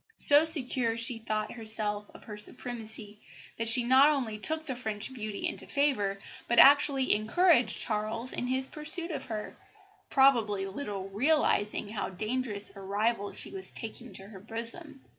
So secure she thought herself of her supremacy that she not only took the French beauty into favour, but actually encouraged Charles in his pursuit of her, probably little realising how dangerous a rival she was taking to her bosom.